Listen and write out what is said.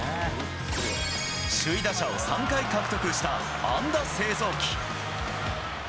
首位打者を３回獲得した安打製造機。